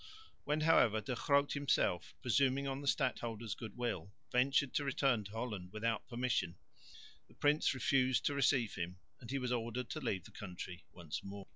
When, however, De Groot himself, presuming on the stadholder's goodwill, ventured to return to Holland without permission, the prince refused to receive him and he was ordered to leave the country once more.